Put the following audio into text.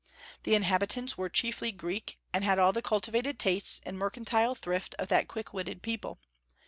The inhabitants were chiefly Greek, and had all the cultivated tastes and mercantile thrift of that quick witted people.